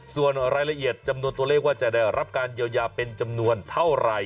ส่วนรายละเอียดจำนวนตัวเลขว่าจะได้รับการเยียวยาเป็นจำนวนเท่าไหร่